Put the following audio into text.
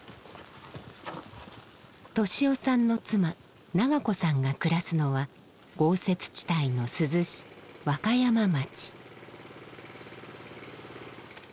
利雄さんの妻伸子さんが暮らすのは豪雪地帯の珠洲市若山町。